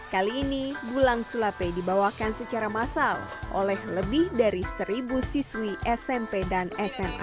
kali ini bulang sulape dibawakan secara massal oleh lebih dari seribu siswi smp dan sma